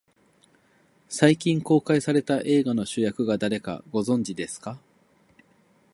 最近公開された映画の主役が誰か、ご存じですか。